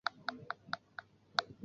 电影中融入喜剧诙谐因素。